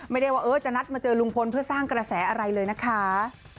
ไม่ได้ว่าจะนัดมาเจอลุงพลเพื่อสร้างกระแสอะไรเลยนะคะ